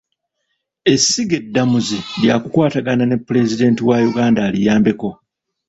Essiga eddamuzi ly'akukwatagana ne Pulezidenti wa Uganda aliyambeko.